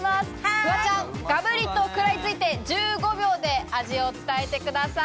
フワちゃん、がぶりと食らいついて１５秒で味を伝えてください。